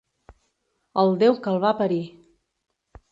El Déu que el va parir!